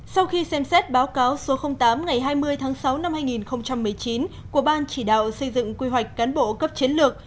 sau khi xem xét báo cáo số tám ngày hai mươi tháng sáu năm hai nghìn một mươi chín của ban chỉ đạo xây dựng quy hoạch cán bộ cấp chiến lược